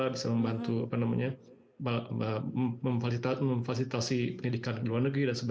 bisa membantu memfasilitasi pendidikan di luar negeri